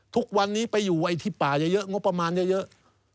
ทุกวันนี้ไปอยู่ไอ้ที่ป่าเยอะงบประมาณเยอะ